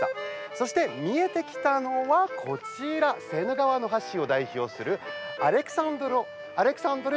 そして、見えてきたのはセーヌ川の橋を代表するアレクサンドル